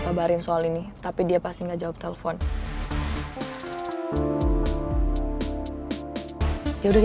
karena ulah kamu yang terobsesi